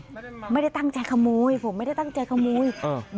ไม่ได้ตั้งใจขโมยผมไม่ได้ตั้งใจขโมยเออ